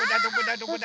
どこだ？